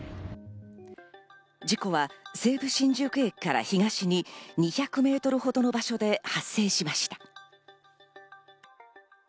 事故は西武新宿駅から東に２００ｍほどの場所で発生しました。